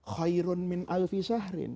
khairun min alfisahrin